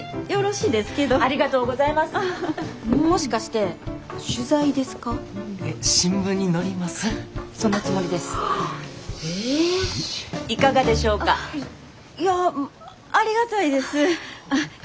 いやありがたいです。